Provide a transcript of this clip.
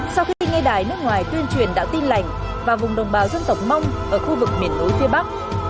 sau khi nghe đài nước ngoài tuyên truyền đạo tin lành và vùng đồng bào dân tộc mông ở khu vực miền núi phía bắc